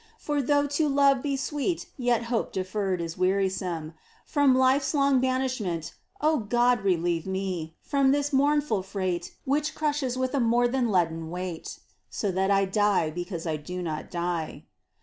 For though to love be sweet, yet hope deferred Is wearisome : from life's long banishment, God, relieve me ! from this mournful freight Which crushes with a more than leaden weight, So that I die because I do not die.